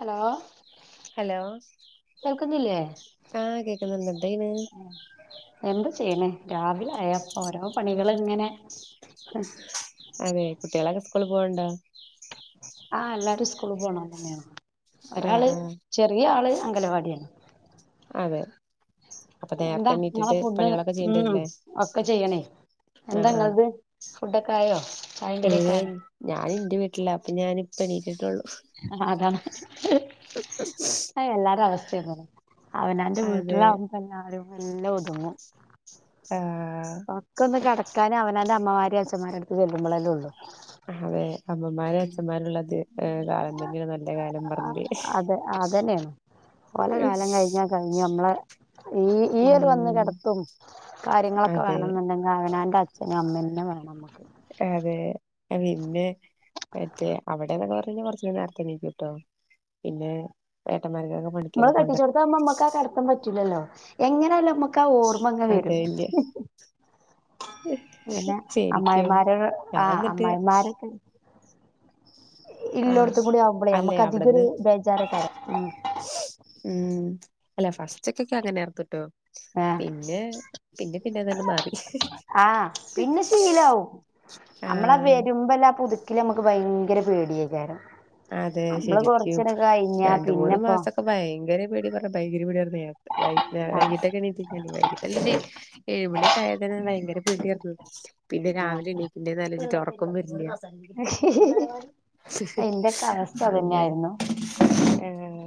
Hello hello കേൾക്കുന്നില്ലേ. ആഹ് കേക്കുന്നുണ്ട് എന്തെയ്യ്ണ് എന്ത് ചെയ്യ്ണ്? രാവിലായാ ഓരോ പണികളിങ്ങനെ, അതെ. കുട്ടികളൊക്കെ സ്കൂളി പോണൊണ്ടോ? ആഹ് എല്ലാരും സ്കൂള് പോണോരന്നെയാണ്. ആഹ് ഒരാള് ആഹ് ചെറിയാള് അംഗലവാടിയാണ് അതെ. അപ്പൊ നേരത്തെ എന്താ നിങ്ങളെ എണീറ്റിട്ട് ഫുഡ് പണികളൊക്കെ ഉം ചെയ്യെണ്ടിവരില്ലേ? ഒക്കെ ചെയ്യണേ അ എന്താ നിങ്ങളത് ഫുഡൊക്കെ ആയോ ചായയും ആ കടിയൊക്കെ ആയോ ഏയ് ഞാൻ ഇന്റെ വീട്ടിലാ. പിന്നെ ഞാനിപ്പ ണീറ്റിട്ടേള്ളു. അതാണ്. എല്ലാരേം അവസ്ഥയതാണ്. അവനോന്റെ അതെ വീട്ടിലാവുമ്പോ എല്ലാരും എല്ലാ ഒതുങ്ങും. ആഹ് ഒക്കെ ഒന്ന് കെടക്കാന് അവനാൻ്റെ അമ്മമാരേം അച്ഛന്മാരേം എടുത്ത് ചെല്ലുമ്പളെല്ലേ ള്ളു അതെ [unintelligible] അതെ അമ്മമാരും അച്ഛന്മാരും ഉള്ളത് ഏ കാലം തന്നെയാണ് നല്ല കാലം പറഞ്ഞില്ലേ ഓല കാലം കഴിഞ്ഞാ കഴിഞ്ഞു ഞമ്മളെ ഈ ഈയൊര് വന്ന് ഉം കെടത്തും, കാര്യങ്ങളൊ അതെ വേണന്നുണ്ടെങ്കെ അവനാന്റെ അച്ഛനും അമ്മെന്നെ വേണം മ്മക്ക്. ഏ പിന്നെ മറ്റേ അവിടെന്നെ [unintelligible] പറഞ്ഞാ കൊറച്ചൂടെ നേരത്തേണീക്കുംട്ടോ. പിന്നെ. എ നമ്മളെ കട്ടിച്ചേട്ത്താകുമ്പോ മ്മക്ക് ആ കെടത്തം പറ്റൂല്ലല്ലോ. എങ്ങനെയാലും മ്മക്. ക്കാ ഓർമ്മങ്ങനെ വരും അതെ ഇല്ല്യ പിന്നെ ശരിക്കും അമ്മായിമാര് ആ ഞാൻ എന്നിട്ട് അമ്മായിമാര് ഇല്ലോട്ത്തു ആഹ് കൂടി ആവുമ്പോളേ അല്ലേ നമുക്ക് അധികൊരു അവിടുന്ന് ബേജേറായിക്കാരം ഉം ഉം അല്ല ഫസ്റ്റക്കക്കെ അങ്ങനെ ആർന്ന്ട്ടോ ഏഹ് പിന്നെ പിന്നെ പിന്നെതങ്ങട് മാറി ആ പിന്നെ ശീലാവും നമ്മളാ ആഹ് വരുമ്പല്ല പുതുക്കില് നമുക്ക് ഭയങ്കര പേടിആയികാരം അതെ ശരിക്കും രണ്ട് മൂന്ന് പിന്നെപ്പോ മാസൊക്കെ ഭയങ്കര പേടി പറഞ്ഞ ഭയങ്കര പേടിയാർന്ന് ആ വൈകിട്ടൊക്കെ എണീ കയിഞ്ഞാല് വൈകിട്ട് എണീച്ച് ഏഴുമണിയൊക്ക ആയ തന്നെ ഭയങ്കര പിന്നെ രാവിലെ ആഹ് എണീക്കണ്ടേന്ന് ആലോചിച്ചിട്ട് ഒറക്കോം വരില്ല എന്റെയൊക്കെ അവസ്ഥ അങ്ങനെ അതന്നെയായിരുന്നു. ആ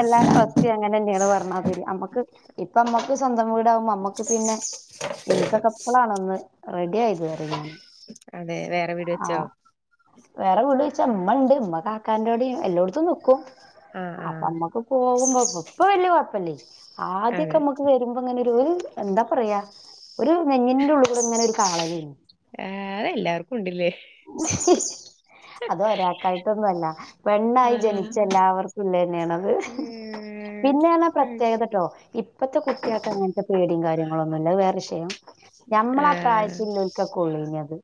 എല്ലാര അവസ്ഥയും അങ്ങനെ തന്നെയാണ് പറഞ്ഞ മാതിരി നമ്മക്ക് ഇപ്പ നമ്മക്ക് സ്വന്തം വീ ടാവുമ്പോ നമ്മക്ക് പിന്നെ ഇൻകൊക്കെ ഇപ്പളാണ ഒന്ന് റെഡി ആയത് അതെ വേറെ വീട് വെച്ചോ ആഹ് വേറെ വീട് വെച്ച് ഇമ്മ ഇണ്ട് ഇമ്മ കാക്കാന്റൊടേം എല്ലോടത്തും നിക്കും ആഹ് അപ്പൊ ആഹ് മ്മക്ക് പോകുമ്പോ ഇപ്പൊ വല്യ കുഴപ്പല്ലേ ആദ്യൊക്കെ അതെ നമ്മുക്ക് വരുമ്പോ ഇങ്ങനെ എന്താ പറയാ ഒരു നെഞ്ഞിന്റെ ഉള്ളി കൂടെ ഇങ്ങനെ ഒരു കാളലേണ് ആ അതെല്ലാർക്കും ഉണ്ടില്ലേ അത് ഒരാക്കായിട്ടൊന്നൊല്ല ആ പെണ്ണായി ജനിച്ച എല്ലാവർക്കും ഇള്ളെന്നെയാണ് അത് ഉം, പിന്നെ പ്രത്യേകത കേട്ടോ ഇപ്പത്തെ കുട്ട്യേക്ക് അങ്ങനത്തെ പേടിയും കാര്യങ്ങളും വേറെ വിഷയം ആ ഞമ്മളാ പ്രായത്തിൽ ഒക്കെ ഉള്ളെനി അത്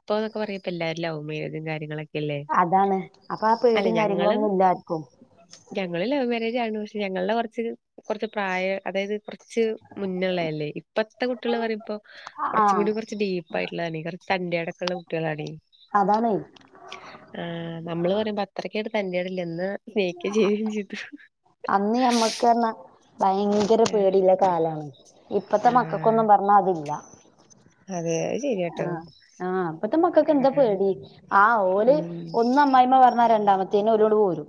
ഇപ്പോന്നൊക്കെ പറയുമ്പോ എല്ലാവരും ലവ് മാരേജ് കാര്യങ്ങളൊക്കെ അതാണ് അപ്പൊ ആ അല്ലേ പേടിയും ഞങ്ങളും കാര്യങ്ങളൊന്നും ഇല്ല ആർക്കും ഞങ്ങളും ലവ് മാരേജ് ആണ് ഞങ്ങളുടെ കൊറച്ച് കൊറച്ച് പ്രായ അതായത് കൊറച്ച് മുന്നള്ളയല്ലേ ഇന്നത്തെ കുട്ടികള് പറയുമ്പോ കൊറച്ചു ആഹ് കൂടി കൊറച്ച് ഡീപ്പായിട്ടുള്ളതാണെ കൊറച്ച് തന്റെടക്കൊള്ള കുട്ടികളാണേ അതാണ് ആ നമ്മള് പറയുമ്പോൾ അത്രക്കങ്ങട് തന്റെടല്ല എന്നാ സ്നേഹിക്ക ചെയ്യേം ചെയിതു അന്ന് ഞമ്മക്ക് പറഞ്ഞാ ഭയങ്കര പേടിയിള്ള കാലാണ് ഇപ്പത്തെ ആ, മക്കക്കൊന്നും പറഞ്ഞാ അതില്ല അതെ അത് ശെരിയാട്ടോ മക്കൊക്കെ എന്താ പേടി ആ ഓല് ഉം ഒന്ന് അമ്മായിമ്മ പറഞ്ഞാ രണ്ടാമത്തേെന് ഒര് ഇങ്ങട് പോരും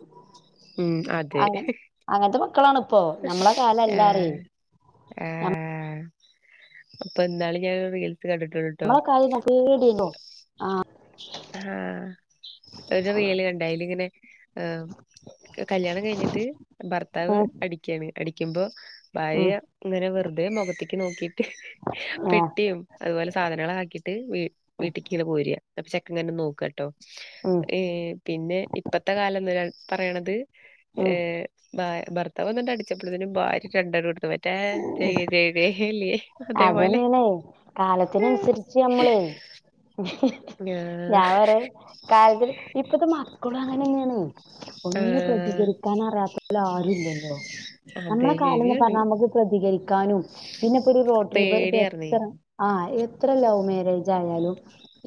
ഉം അതെ അങ്ങ അങ്ങനത്തെ മക്കളാണ് ഇപ്പോ ഞമ്മളെ കാല എല്ലാ പറയെ ആ അപ്പൊ ഇന്നാള് ഞാൻ റീല് നമ്മളെ [unintelligible] ആ റീൽ കണ്ട് അയില് ഇങ്ങനെ കല്ല്യാണം കയിഞ്ഞിട്ട് ഭർത്താവ് ഉം അടിക്കാണ് അടിക്കുമ്പോ ഭാര്യ ഉം ഇങ്ങനെ വെറുതെ മൊഖത്തേക്ക് നോക്കി ആഹ് പെട്ടിയും അതുപോലെ സാധനങ്ങളാക്കിട്ട് ഉം വീട്ടിക്ക് ഇങ് പോര അപ്പൊ ചെക്കങ്ങന്നെ നോക്കാട്ടോ ഉം പിന്നെ ഇപ്പത്തെ കാലംന്ന് പറയണത് ഏ ഉം ഭർത്താവൊന്ന് അടിച്ചപ്പോളത്തിനും ഭാര്യ രണ്ടങ്ങട് കൊടുത്തു [unintelligible] അതന്നെയാണേ ആഹ് കാലത്തിനനുസരിച്ച് നമ്മളേ ഞാൻ പറയ കാലത്തിന് ഇപ്പത്തെ മക്കളും അങ്ങനെന്നയാണേ ഒന്നും പ്രതികരിക്കാൻ അറിയാത്ത ആരുല്ലല്ലോ ആഹ് അതെ നമ്മളെ കാലംന്ന് ശരിയാണ് പറഞ്ഞ നമുക്ക് പ്രതികരിക്കാനും പിന്നെ ഇപ്പൊ ഒരു പേടിയാർന്നേ [unintelligible] ആ എത്ര ലവ് മാരേജ് ആയാലും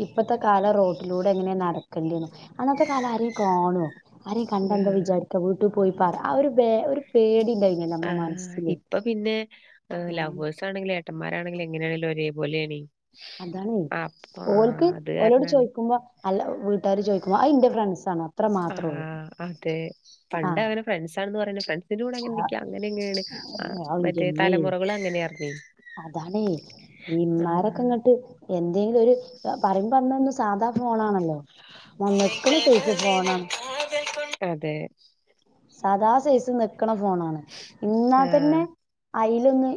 ഇപ്പത്തെ കാലം റോട്ടിലൂടെ എങ്ങനെ നടക്കണ്ടേന്ന് അന്നത്തെ കാലം ആരെയും കാണോ ആരെയും കണ്ടാ എന്താ ആഹ് വിചാരിക്ക വീട്ടിൽ പോയി പറ ആ ഒരു ഒരു വേ പേടി ഉണ്ടായിനല്ലോ ആ നമ്മളെ മനസ്സില് ഇപ്പൊ പിന്നെ ഉം ലവേഴ്സ് ആണെങ്കില് [unintelligible] എങ്ങനെയാണങ്കിലും ഒരേപലെയാണെ അതാണ് ഓല്ക്ക് അത് ഓലോട് കാരണാണ് ചോയിക്കുമ്പോ അല്ല വീട്ടാര് ചോദിക്കുമ്പോ അത് ഇന്റെ ഫ്രണ്ട്സാണ് അത്ര ആ മാത്രള്ളൂ അതെ പണ്ട് ആഹ് അവര് ഫ്രണ്ട്സാണെന്ന് പറീനെ ശെ ലൂടെ ങ്ങ നിക്ക അങ്ങനെ ഇങ്ങെനേൻ മറ്റേ തലമുറകള് അങ്ങനെയാർനെ അതണേ ഈ ഇമ്മാരൊക്കെങ്ങട്ട് എന്തെങ്കിലു ഒരു പറയുമ്പോ അന്ന് സാധാ ഫോണാണല്ലോ ന്നക്കണ സേസ് ഫോണാ ക്ക ണ്ട് [unintelligible] സാദാ സൈസ് നക്ക്ണ ഫോണ ആണ് ഇന്നാ തന്നെ ആഹ് അയിലൊന്ന്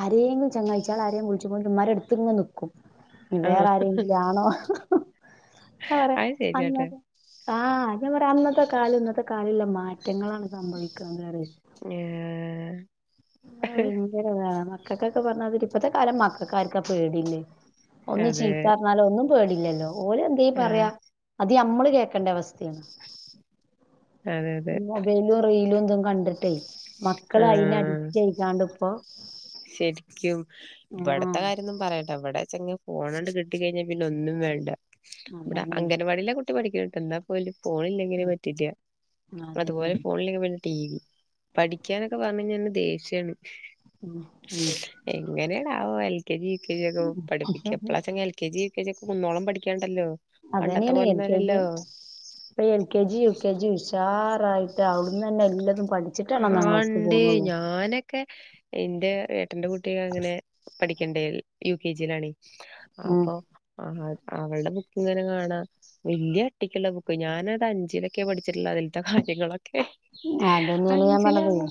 ആരെയങ്കിലും ചങ്ങായിച്ചാള് ആരെയും വിളിച്ചുമ്പോതിന് മ്മാരെട്ത്ത്ങ്ങനെ നിൽക്കും ആഹ് വേറെ ആരെങ്കിലാണോ ഹ ഹ അവരെ അത് ശരിയാട്ടാ അന്ന ആ പിന്നെ പറ അന്നത്തെ കാലം ഇന്നത്തെ കാലല്ലെ മാറ്റങ്ങളാണ് സംഭവിക്ക്ണ്റെ ഏഹ് ആ ഭയങ്കരതാണ് മക്കൾക്കൊക്കെ പറഞ്ഞതി ഇപ്പത്തെ കാലം മക്കക്കാർക്കാ പേടില്ലേ ഒന്ന് അതെ ചീത്താറിഞ്ഞാലോ ഒന്നും പേടില്ലല്ലോ ഓലെ എന്ത്യ പറയാ ആഹ് ഇത് നമ്മ കേക്കണ്ടവസ്തേൻ അതെ അതെ മൊബൈലും റീലും കണ്ടിട്ടേ മക്കളയിനാടി ആഹ് ശരിക്കും ആഹ് ഇവിടത്തെ കാര്യോന്നും പറയാ ഇവിടെചങ്കി പോണണ്ട് കിട്ടി കഴിഞ്ഞ പിന്നെ ഒന്നും വേണ്ട വിടെ അതാണേ അൻവാടിലൊക്ക് പഠിക്കേട്ട്ണ്ടാ ഫോണില്ലെങ്കില് പറ്റില്ല അതുപോലെ അതന്നെയാണ് ഫോണില്ലെങ്കി ടി വി പഠിക്കാനൊക്കെ പറഞ്ഞഴിഞ്ഞ ദേഷ്യാണ് മ് മ് അ ഓ L K G U K G യൊക്കെ പഠിപ്പിക്ക ഇപ്പളാച്ച L K G U K ജിയൊക്കെ കുന്നോളം പഠിക്കാണ്ടല്ലോ പണ്ടത്തെ അതെന്നെനേണ് എൽ പോലൊന്നും കെ ജി അല്ലല്ലോ പ്പ L K G U K G ജുഷാറായി അവിടുന്നെ എല്ലതും പഠിച്ചിട്ട ആണ്ട് ഞാനൊക്കെ ഇന്റെ ഏട്ടന്റെ കുട്ടി അങ്ങനെ പഠിക്ക ണ്ട് യു കെ ജിയിലാണ് ഉം അപ്പൊ അവളുടെ ബുക്ക് ഇങ്ങനെ കാണാ വല്യ അട്ടിക്ക്ള്ള ബുക്ക് ഞാന അത് അഞ്ചിലൊക്കെ പഠിച്ചിട്ട്ള്ളെ അതിൽത്തെ കാര്യങ്ങള അതന്നെയാണ് ഞാൻ പറഞ്ഞത് അഞ്ചിലാമ്മ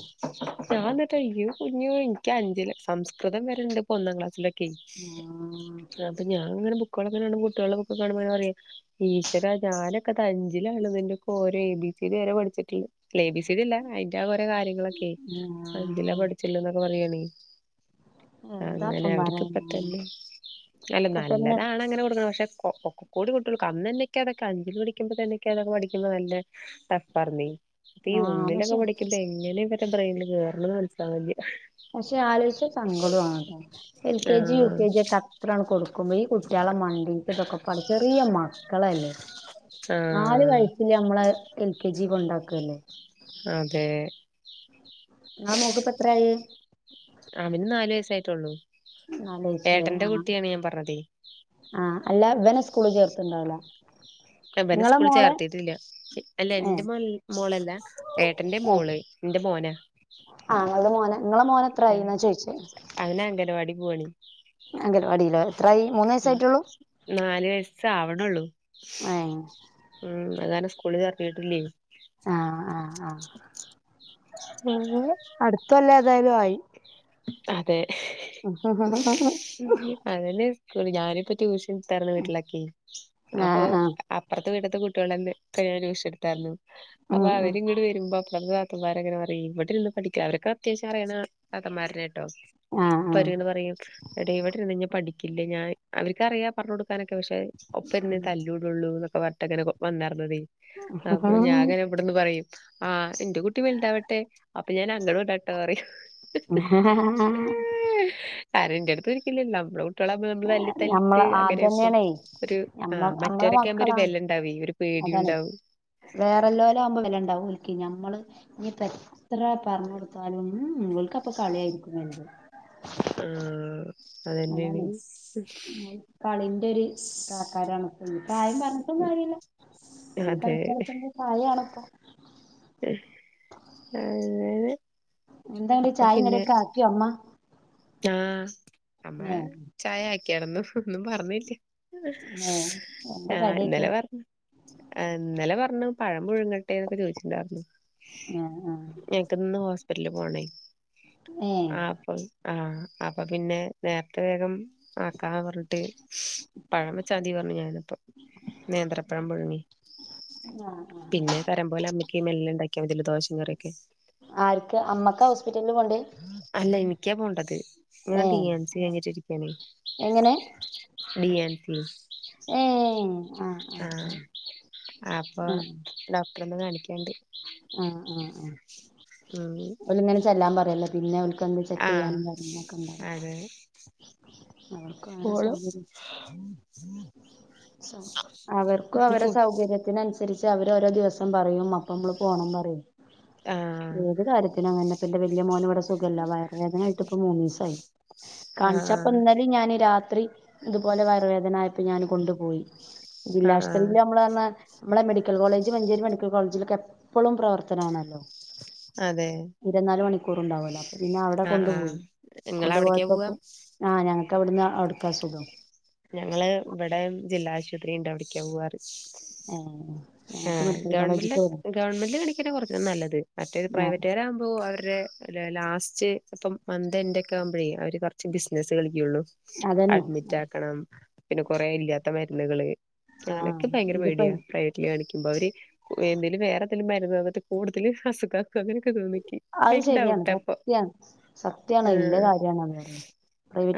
ഞാന്നിട്ട് അയ്യോ യ്യോ ഇക്കഞ്ചില് സംസ്കൃതം വരണ്ട് ഇപ്പോന്നാം ക്ലാസ്സിലൊ ക്കെ അപ്പൊ ഞാങ്ങനെ ബു കുളുക്കെ കുട്ടിയാളെ ബുക്കൊക്കെ കാണുമ്പോറയെ ഈശ്വര ഞാനൊക്കെത് അഞ്ചിലാണല്ലോ ഇന്റൊക്കെ ഓരെഴ്തി ചീരി വരെ പഠിച്ചിട്ടൊള്ളു [unintelligible] അല്ല അയിന്റ ആ ഓരോ കാര്യങ്ങളൊക്കെ അറില്ല ആഹ് പഠിച്ചില്ല എന്നൊക്കെ പറയാണെ അങ്ങനെ എന്താപ്പം അവർക്കിപ്പ പറയാന് തന്നെ അല്ല ഇപ്പ തന്നെ നല്ലതാണ് അങ്ങനെ കൊടുക്ക്ണ പക്ഷെ ഒക്കെ കൂടി കിട്ടോ ഇക്കന്നന്നെ അതൊക്കെ അഞ്ചിൽ പടിക്കുമ്പോ തന്നെ ഇക്കതൊക്കെ പഠിക്കുമ്പോ നല്ല ടഫ് ആർനെ അപ്പൊ ഈ ആഹ് ഒന്നിലൊക്കെ പക്ഷെ പഠിക്കുമ്പോ എങ്ങനെ ഇർവടെ ബ്രെയിൽ കേർണ് ന്ന് മനസ്സിലാവ്ണില്ല പക്ഷെ ആലോചിച്ച സങ്കടണതോ എൽ കെ ജി യു ആഹ് കെ ജി ഒക്കെ അത്രാണ് കൊടുക്കുമ്പോ ഈ കുട്ടിയാൾ മണ്ടി ഇതൊക്കെ പ ചെറിയ മാ ക്കളല്ലേ നാല് ആഹ് വയസില് നമ്മള എൽ കെ ജി കൊണ്ടാക്കല്ലേ തേ നിങ്ങളെ മോക്ക് ഇപ്പ എത്രയായി അവന് നാല് വയസായിറ്റൊള്ളു നാല് വയസിലെ ആ പറഞ്ഞതേ ആ അല്ലവനെ സ്കൂളില് ചേർത്ണ്ടാവ് ലാ ബനെ സ്കൂളി ചേർത്തിട്ടില്ല അല്ല ഏഹ് ന്റെ മോള് മോളല്ല ഏട്ടന്റെ ഏഹ് മോള് ന്റെ മോനാ ആ ഇങ്ങള്ത് മോന ഇങ്ങളെ മോനെത്ര ആയിന്നാ ചോയിച്ചേ അവന് അംഗനവാടി പോവാണ് അങ്കനവാടിലോ എത്രായി മൂന്ന് വയസായിട്ടൊള്ളൂ നാല് വയസ്സ് ഏ മഉം അതാനെ സ്കൂളിചേർത്തിട്ടില്ലേ ആഹ് ആഹ് ഉം അട്ത്തൊല്ലേ തായാലും ആയി അതെ അതെന്നെ സോറിഞാനിപ്പോ ട്യൂഷൻ എടുത്താർന്നു വീട്ടിലൊക്കെ അപ്പൊ ആഹ് ആഹ് അപ്പർത്തെ വീട് ത്തെ കുട്ട്യോളന്നെ പ്പ ഞാൻ ട്യൂഷൻ എടുത്തായിരുന്നു അപ്പൊ ഉം ഉം അവരിഇങ്ങ് വരുമ്പോ വിടെ ഉള്ള നാത്തൂൻമാർ ങ്ങനെ പറയേ ഇവിടെള്ളെ പഠിക്ക് അവരൊക്ക അത്യാവശ്യം അറിണ താത്ത മാരെന്നെ ആണ് ട്ടോ ആഹ് ആഹ് പൊരേന്ന് പറയും എടീ ഇവിടെര്ന്ന് കഴിഞ്ഞാ പഠി ക്കില്ല ഞാൻ അവർക്കറിയ പറഞ്ഞൊട് ക്കാനൊക്കെ പക്ഷെ ഒപ്പിർന്ന് തല്ലൂടൊള്ളൂ നൊ ക്കെ പറഞ്ഞി ട്ടങ്ങനെ വന്നാർന്നെത് അപ്പൊ ഞാങ്ങനെ ബടന്ന് പറയും ആ ഇന്റെ കുട്ടി ബെൽതാവട്ടെ അപ്പൊ ഞാനങ്ങട് വിടാട്ടോറിം [unintelligible] ആരും ഇന്റെടുത്തിരിക്കില്ലലോ [unintelligible] കുട്ടികളാവുമ്പോ നമ്മള് തല്ലി തല്ലിട്ട് ഞമ്മള് അങ്ങനെ പൊ അതന്നെയാണേ ഒരു ഞമ്മ ആഹ് നമ്മളെ മറ്റൊരോക്കെ ആവുമ്പോ ഒരു മക്കളാ വെല ഉണ്ടാവെ ഒരു പേടി ഇണ്ടാവു വേറെള്ളോലാകുമ്പോ വെലണ്ടാകും ഓല്ക്ക് ഞ മ്മള് ഇനി എത്ര പറഞ്ഞ് കൊടുത്താലും ഉംഹ് ഉം ഹ് ഓല്ക്കപ്പ കളിയായിരിക്കും വലുത് ആഹ് അതെന്നെണ് കളിന്റൊരു കാക്കാരാണ്പ്പ ഇപ്പാരിം പറഞ്ഞിട്ടും കാര്യല്ല ഓല് അതെ കളിച്ചട്ക്കേണ്ട പ്രയാണിപ്പം ഹി ഹ് അങ്ങനെ എന്താടി അപ്പൊ ചായിം കടിം പിന്നെ ഒക്കെ ആക്കിയോ അമ്മ ആ അമ്മ ഏ ചായാക്യാർന്നു ഒന്നും പറഞ്ഞില്ല ഏ എന്താ ആഹ് കടിയൊക്കെ ഇന്നലെ പറഞ്ഞു ആ ഇന്നലെ പറഞ്ഞു പഴം പുഴങ്ങട്ടെ ന്നൊക്കെ ചോയ്ച്ചിണ്ടാർന്നു ഏ ആ ഞങ്ങക്കിന്ന് ഹോസ്പിറ്റലിൽ പോണേ ഏ ആഹ് അപ്പം ആഹ് അപ്പ പിന്നെ നേർത്തെ വേഗം ആക്കാന്ന് പറഞ്ഞിട്ട് പഴം വച്ചാതി പറഞ്ഞു ഞാനപ്പം നേന്ത്രപ്പഴം പുഴുങ്ങി ആ പിന്നെ തരം പോലമ്മക്ക് മെല്ലണ്ടാക്യാ മതിയല്ലോ ദോശേം കറിയൊക്കെ ആർക്ക് അമ്മക്കാഹോസ്പിറ്റലിൽ പോണ്ടയ് അല്ല എനിക്കാ പോണ്ടത് ഞാൻ ഏ ഡിഎൻസി കഴിഞ്ഞിട്ടിരിക്കാണേ എങ്ങനെ ഡി എൻ സി ഏ ആ ആ ആ ആ ആഹ് അപ്പൊ ഡോക്ടറൊന്ന് കാണിക്കാണ്ട് ആഹ് ആഹ് ആഹ് ഉം ഓലിങ്ങനെ ചെല്ലാൻ പറയല്ലോ പിന്നെ ഓൽ ക്കന്തോ ചെക്ക് ആ ചെയ്യാനും കാര്യ'ങ്ങളൊക്കെ ഉണ്ടാവ അതെ അവർക്ക് ഓരെ പോണം സൗകര്യം അവർക്കും അവരെ സൗകര്യത്തിനനുസരിച്ച് അവര് ഓരോ ദിവസം പറിം അപ്പ മ്മള് പോണം പറിം ആ ഏത് കാര്യത്തിനങ്ങനെന്നെ ഇപ്പൻ്റെ വല്യ മോന് ഇവിടെ സു ഖല്ല വയറ് വേദനായിട്ട്പ്പ മൂന്നീസം ആയി ആ കാണിച്ചപ്പ ഇന്നലും ഞാൻ രാ ത്രി ഇതുപോലെ വയറ് വേദനായപ്പോ ഞാൻ കൊണ്ടുപോയി ആ ആ ജില്ലാ ആശുപത്രിയില് നമ്മള് പർ ണാ നമ്മളെ medical college Manjeri medical college ക്ക് എപ്പളും പ്രവർത്തനാണല്ലോ [inaudible] ഇരന്നാല് മണിക്കൂറും ഉണ്ടാവല്ലോ അപ്പൊ പിന്നെ അവിടെ ആ ആ കൊണ്ടുപോയി നിങ്ങള് കൊണ്ടു അവിടേക്കാ പോവാ പോയപ്പോപ്പൊ ആ ഞങ്ങക്ക് അവടന്ന് ഔടക്കാ സുഖം ഞങ്ങള് ഇവിടെ ജില്ലാ ആശുപത്രിണ്ട് ഔട്കാ പോവാറ് ആഹ് [inaudible] ആഹ് ഗവർമെന്റില് ഗവർമെന്റില് കാണിക്കാണ് കുറച്ചും കൂടെ നല്ലത് മറ്റേത് ആഹ് പ്രൈവറ്റുകരാവുമ്പോ അവരുടെ ലാസ്റ്റ് ഇപ്പം മന്ത് എൻഡ് ഒക്കെ ആവുമ്പോഴേ അവര് കുറച്ച് ബിസിനസ്സ് കളിക്കൊള്ളു അതന്നെ പിന്നെ കൊറെേ ഇല്ലാത്ത മരുന്നുകള് ആഹ് അങ്ങനൊക്കെ ഭയങ്കര ഇതിപ്പോ പേടിയാ പ്രൈവറ്റ്ൽ കാണിക്കാ അപ്പേ അവര് എന്തെങ്കലും വേറെ എന്തേലിലും മരന്ന് തനിട്ട് കൂടുതൽ അസുഖം അങ്ങനൊക്കെ തോന്നിക്കി ഭയ അത് ശരിയാണ് ഡഔട്ട് ഇപ്പൊ സത്യാണ് സത്യാണ് ഇല്ല കാര്യാണത് പറയ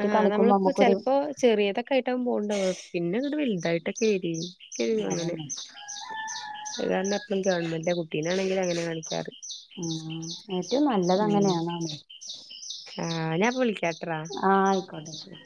ആ ആ കാണിക്കുമ്പോ നമ്മളിപ്പോ നമ്മുക്കൊരു ചെലപ്പോ ചെറിയ ഏതൊക്കെ ആയിട്ടാ പോകണ്ടോ പിന്നെ ഇടെ വലുതായിട്ടൊക്കെ വരി അങ്ങനെ അതന്നെ അത് കാരണം എപ്പഴും ഗവൺമെന്ന്റെ കുട്ടീനാണെങ്കിലും അങ്ങനെ കാണിക്കാറ് ഉ ഏറ്റവും നല്ലത് അങ്ങനെ ആണാണ്. ആ ഞാൻ ഇപ്പൊ വിളി ആ ആയിക്കോട്ടെ ശരി